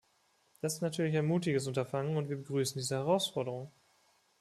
Das ist natürlich ein mutiges Unterfangen, und wir begrüßen diese Herausforderung.